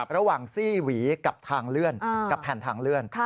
ซี่หวีกับทางเลื่อนกับแผ่นทางเลื่อน